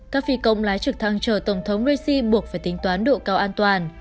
các phi công lái trực thăng chờ tổng thống raisi buộc phải tính toán độ cao an toàn